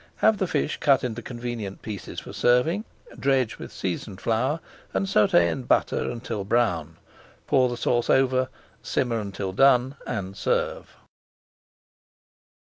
Have the fish cut into convenient pieces for serving, dredge with seasoned flour, and sauté in butter until brown. Pour the sauce over, simmer until done, and serve.